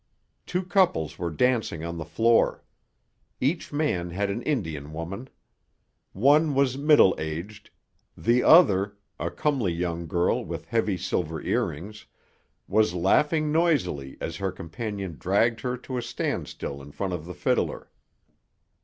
Two couples were dancing on the floor. Each man had an Indian woman. One was middle aged; the other, a comely young girl with heavy silver earrings, was laughing noisily as her companion dragged her to a standstill in front of the fiddler.